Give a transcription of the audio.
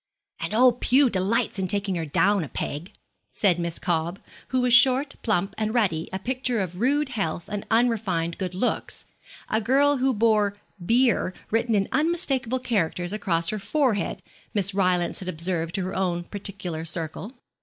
'And old Pew delights in taking her down a peg,' said Miss Cobb, who was short, plump, and ruddy, a picture of rude health and unrefined good looks a girl who bore 'beer' written in unmistakable characters across her forehead, Miss Rylance had observed to her own particular circle.